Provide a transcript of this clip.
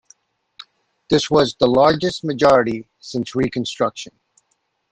This was the largest majority since Reconstruction.